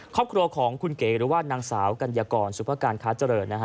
ครอบครัวของคุณเก๋หรือว่านางสาวกัญญากรสุภาการค้าเจริญนะฮะ